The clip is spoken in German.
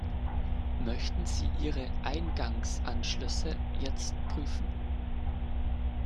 Möchten Sie Ihre Eingangsanschlüsse jetzt prüfen?